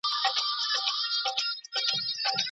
په قلم لیکنه کول د ژبي بډاینه ښیي.